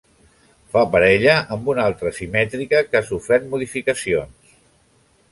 Fa parella amb una altra simètrica que ha sofert modificacions.